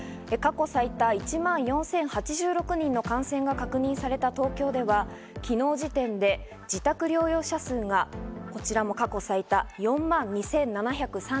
過去最多１万４０８６人の感染が確認された東京では昨日時点で自宅療養者数がこちらも過去最多４万２７３３人。